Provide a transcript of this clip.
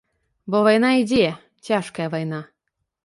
Бо вайна ідзе, цяжкая вайна!